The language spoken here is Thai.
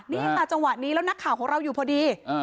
นี่ค่ะจังหวะนี้แล้วนักข่าวของเราอยู่พอดี